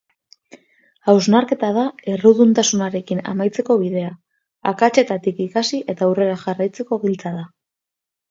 Hausnarketa da erruduntasunarekin amaitzeko bidea, akatsetatik ikasi eta aurrera jarraitzeko giltza da.